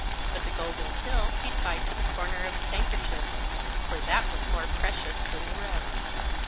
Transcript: But the golden pill he tied into the corner of his handkerchief, for that was more precious than the rest.